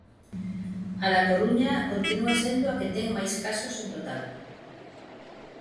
A da Coruña continúa sendo a que ten máis casos en total.